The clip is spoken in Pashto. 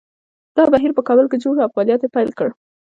دا بهیر په کابل کې جوړ شو او فعالیت یې پیل کړ